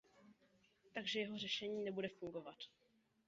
Takže jeho řešení nebude fungovat.